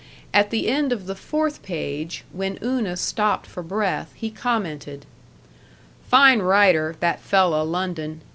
At the end of the fourth page, when Una stopped for breath, he commented: "Fine writer, that fella London.